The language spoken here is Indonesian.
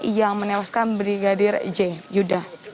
yang menewaskan brigadir j yuda